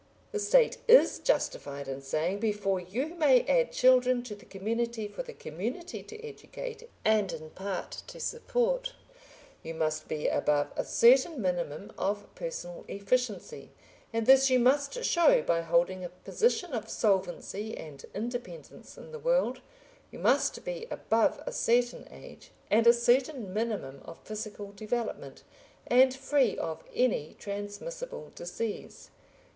The State is justified in saying, before you may add children to the community for the community to educate and in part to support, you must be above a certain minimum of personal efficiency, and this you must show by holding a position of solvency and independence in the world; you must be above a certain age, and a certain minimum of physical development, and free of any transmissible disease.